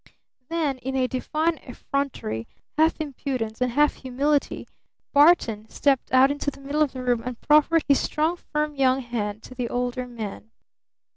Then in a divine effrontery, half impudence and half humility, Barton stepped out into the middle of the room, and proffered his strong, firm young hand to the older man.